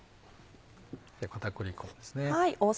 片栗粉です。